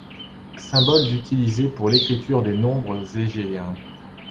Symboles utilisés pour l'écriture des nombres égéens.